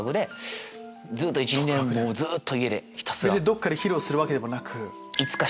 どっかで披露するわけでもなく？